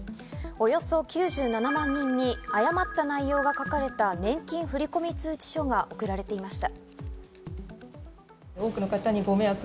およそ９７万人に誤った内容が書かれた年金振込通知書が送られていました。